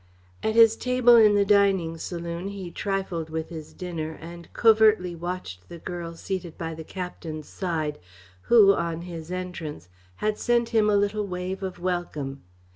At his table in the dining saloon he trifled with his dinner and covertly watched the girl seated by the captain's side, who, on his entrance, had sent him a little wave of welcome.